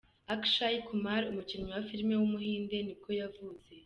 Akshay Kumar, umukinnyi wa film w’umuhinde ni bwo yavutse.